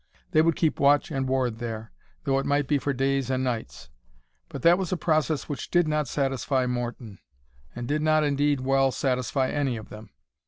They would keep watch and ward there, though it might be for days and nights. But that was a process which did not satisfy Morton, and did not indeed well satisfy any of them.